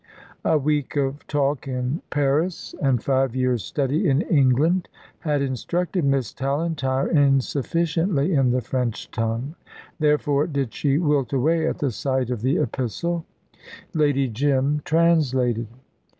A week of talk in Paris, and five years' study in England, had instructed Miss Tallentire insufficiently in the French tongue; therefore did she wilt away at the sight of the epistle. Lady Jim translated.